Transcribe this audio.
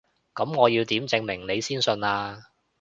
噉我要點證明你先信啊？